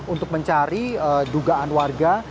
untuk mencari dugaan warga